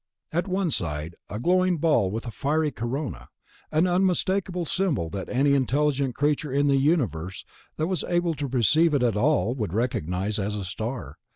At one side, a glowing ball with a fiery corona, an unmistakeable symbol that any intelligent creature in the universe that was able to perceive it at all would recognize as a star.